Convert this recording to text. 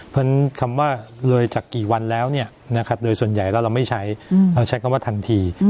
เพราะฉะนั้นคำว่าเลยจากกี่วันแล้วโดยส่วนใหญ่แล้วเราไม่ใช้เราใช้คำว่าทันที